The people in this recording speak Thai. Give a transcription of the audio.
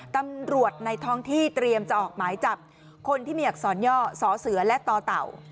ตำรวจในท้องที่เตรียมจะออกหมายจับคนที่มีอักษรย่อสอเสือและต่อเต่า